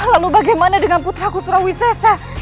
lalu bagaimana dengan putra gusurawisesa